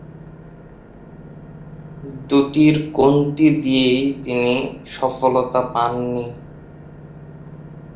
দুটির কোনটি দিয়েই তিনি সফলতা পান নি।